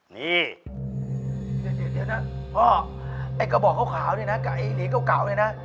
นี่เดี๋ยวนะพ่อไอ้กระบอกขาวนี่นะกับไอ้เหรียญเก่าเลยนะ